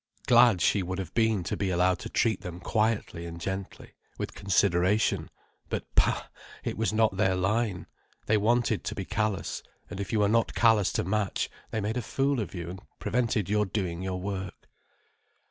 Glad she would have been to be allowed to treat them quietly and gently, with consideration. But pah—it was not their line. They wanted to be callous, and if you were not callous to match, they made a fool of you and prevented your doing your work.